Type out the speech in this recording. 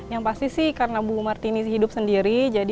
yang pasti sih karena bu martini hidup sendiri